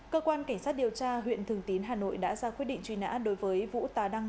cơ quan cảnh sát điều tra huyện thường tín hà nội đã ra quyết định truy nã đối với vũ tà đăng